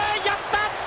やった！